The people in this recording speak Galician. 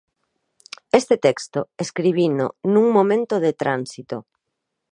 Este texto escribino nun momento de tránsito.